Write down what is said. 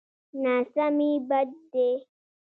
ناسمي بد دی.